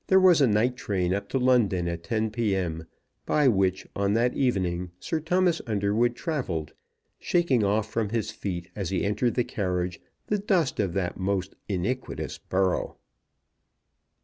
There was a night train up to London at 10 P.M., by which on that evening Sir Thomas Underwood travelled, shaking off from his feet as he entered the carriage the dust of that most iniquitous borough.